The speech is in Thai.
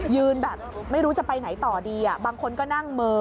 ยืนแบบไม่รู้จะไปไหนต่อดีบางคนก็นั่งเมอ